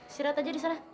istirahat aja disana